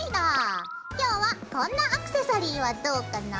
今日はこんなアクセサリーはどうかな？